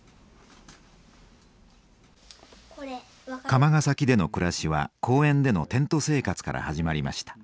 釜ヶ崎での暮らしは公園でのテント生活から始まりました。